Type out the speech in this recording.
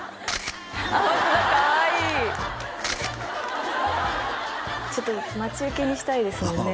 あっホントだかわいいちょっと待ち受けにしたいですもんね